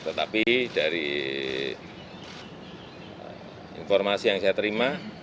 salah satu kasus kaisi terima